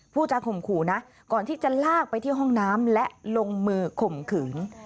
ผู้จาข่มขู่นะก่อนที่จะลากไปที่ห้องน้ำและลงมือข่มขืน